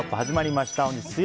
始まりました。